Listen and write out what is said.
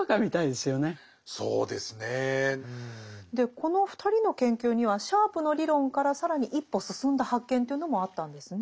この２人の研究にはシャープの理論から更に一歩進んだ発見というのもあったんですね。